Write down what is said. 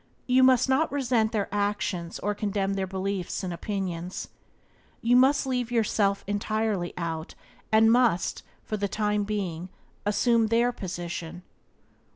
You must not resent their actions or condemn their beliefs and opinions. You must leave yourself entirely out, and must, for the time being, assume their position.